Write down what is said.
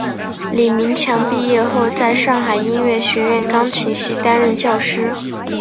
李名强毕业后在上海音乐学院钢琴系担任教师。